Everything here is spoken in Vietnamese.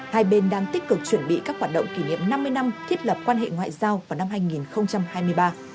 hai bên đang tích cực chuẩn bị các hoạt động kỷ niệm năm mươi năm thiết lập quan hệ ngoại giao vào năm hai nghìn hai mươi ba